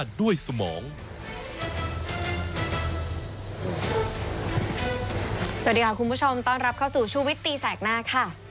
สวัสดีค่ะคุณผู้ชมต้อนรับเข้าสู่ชูวิตตีแสกหน้าค่ะ